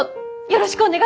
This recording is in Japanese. よろしくね！